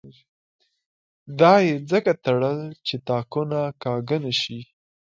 دا یې ځکه تړل چې تاکونه کاږه نه شي.